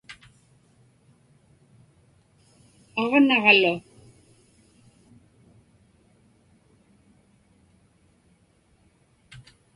aġnaġlu